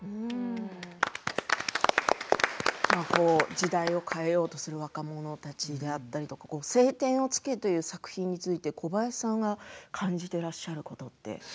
時代を変えようとする若者たちだったり「青天を衝け」という作品について小林さんが感じていらっしゃることって何ですか。